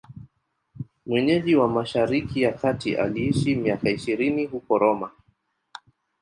Mwenyeji wa Mashariki ya Kati, aliishi miaka ishirini huko Roma.